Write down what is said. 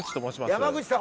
山口さん。